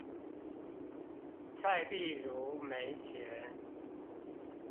蔡璧如沒錢